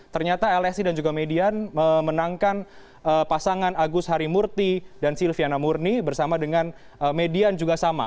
ternyata lsi dan juga median memenangkan pasangan agus harimurti dan silviana murni bersama dengan median juga sama